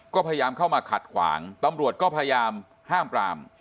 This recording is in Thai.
ก็พยายามเข้ามาขัดขวางตำรวจก็พยายามห้ามปราม